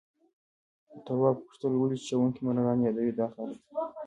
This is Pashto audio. تواب وپوښتل ولې چیچونکي مرغان يادوي دا خلک؟